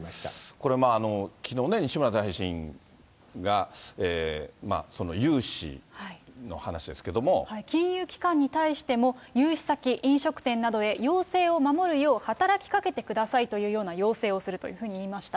これ、きのうね、西村大臣が、金融機関に対しても、融資先、飲食店などへ要請を守るよう働きかけてくださいというような要請をするというふうに言いました。